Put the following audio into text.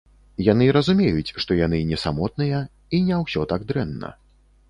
Яны разумеюць, што яны не самотныя і не ўсё так дрэнна.